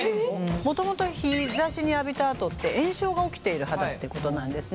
もともと日ざしに浴びたあとって炎症が起きている肌ってことなんですね。